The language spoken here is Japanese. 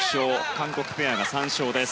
韓国ペアが３勝です。